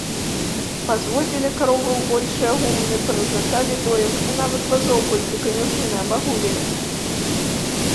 Пазводзілі каровы ў большыя гумны, паназначалі доек і нават вазоў колькі канюшыны абагулілі.